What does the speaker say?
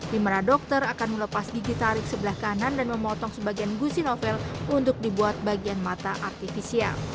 di mana dokter akan melepas gigi tarik sebelah kanan dan memotong sebagian gusi novel untuk dibuat bagian mata artifisial